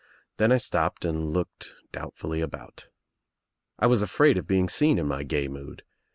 Then I stopped and looked doubtfully about. I was afraid of being seen in my gay mood.